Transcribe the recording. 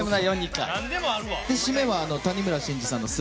締めは谷村新司さんの「昴」。